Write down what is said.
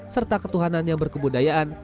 serta ketuhanan yang berkebudayaan